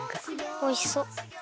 おいしそう！